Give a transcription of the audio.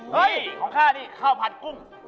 ของข้านี่ข้าวผัดกุ้ง